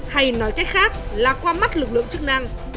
hay nói cách khác là qua mắt lực lượng chức năng